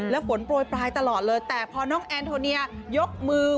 แล้วฝนโปรยปลายตลอดเลยแต่พอน้องแอนโทเนียยกมือ